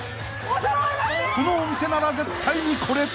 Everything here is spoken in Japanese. ［このお店なら絶対にこれ］